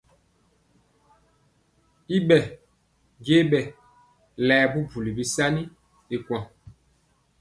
Y b je bɛ laɛ bubuli bisaani y kuan.